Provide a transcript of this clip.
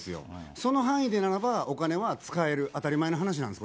その範囲でならば、お金は使える当たり前の話なんです。